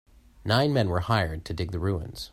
Nine men were hired to dig the ruins.